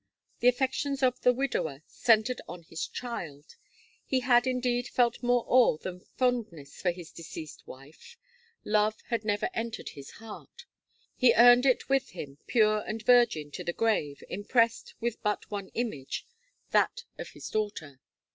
The affections of the widower centred on his child; he had, indeed, felt more awe than fondness for his deceased wife love had never entered his heart; he earned it with him, pure and virgin, to the grave, impressed with but one image that of his daughter.